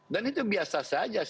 dan itu biasa saja